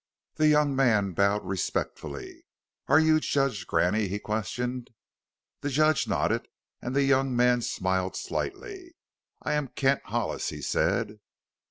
The young man bowed respectfully. "Are you Judge Graney?" he questioned. The judge nodded and the young man smiled slightly. "I am Kent Hollis," he said.